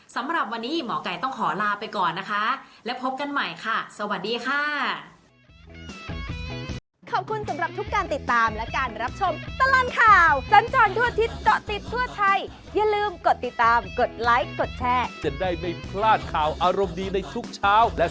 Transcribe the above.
สำหรับวันนี้หมอไก่ต้องขอลาไปก่อนนะคะและพบกันใหม่ค่ะสวัสดีค่ะ